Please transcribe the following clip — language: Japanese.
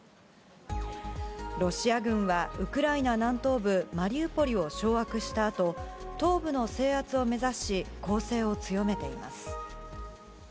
ロシア軍はウクライナ南東部マリウポリを掌握したあと、東部の制圧を目指し、攻勢を強めています。